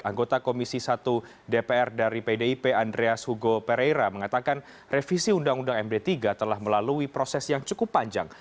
anggota komisi satu dpr dari pdip andreas hugo pereira mengatakan revisi undang undang md tiga telah melalui proses yang cukup panjang